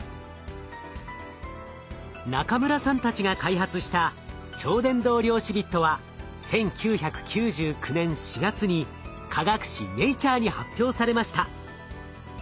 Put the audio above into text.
中村さんたちが開発した超伝導量子ビットは１９９９年４月に科学誌「ネイチャー」に発表されました。